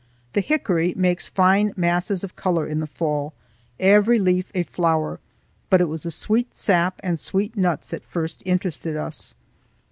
The hickory makes fine masses of color in the fall, every leaf a flower, but it was the sweet sap and sweet nuts that first interested us.